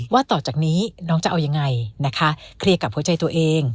ว่าต่อจากนี้น้องจะเอายังไงนะคะเคลียร์กับหัวใจตัวเอง